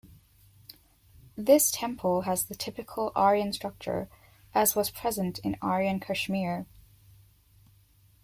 This temple has the typical Aryan structure as was present in Aryan Kashmir.